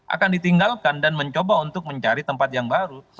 akan ditinggalkan dan mencoba untuk mencari tempat yang baru